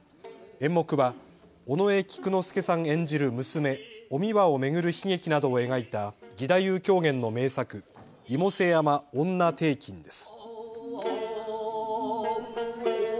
演目は尾上菊之助さん演じる娘、お三輪を巡る悲劇などを描いた義太夫狂言の名作、妹背山婦女庭訓です。